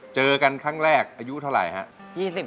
เจอกันครั้งแรกอายุเท่าไหร่ครับ